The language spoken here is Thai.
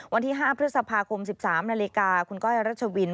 วันที่๕พฤษภาคม๑๓นาฬิกาคุณก้อยรัชวิน